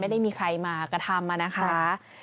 ไม่ได้มีใครมากระทำอะนะคะ